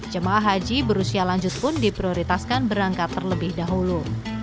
jemaah haji berusia lanjut pun diprioritaskan berangkat terlebih dahulu